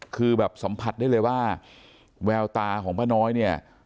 คือแบบสัมผัสได้เลยว่าแววตาของป้าน้อยเนี่ย